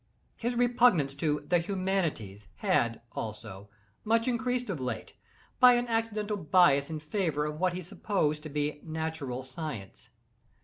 His repugnance to "the humanities" had, also, much increased of late, by an accidental bias in favor of what he supposed to be natural science.